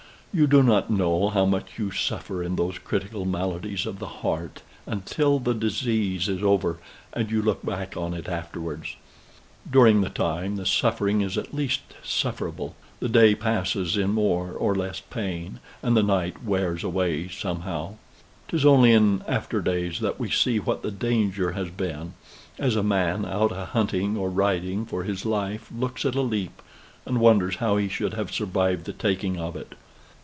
You do not know how much you suffer in those critical maladies of the heart, until the disease is over and you look back on it afterwards. During the time, the suffering is at least sufferable. The day passes in more or less of pain, and the night wears away somehow. 'Tis only in after days that we see what the danger has been as a man out a hunting or riding for his life looks at a leap, and wonders how he should have survived the taking of it.